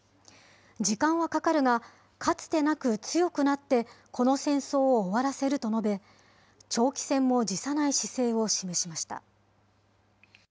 時間はかかるが、かつてなく強くなって、この戦争を終わらせると述べ、長期戦も辞さない姿勢を示しました。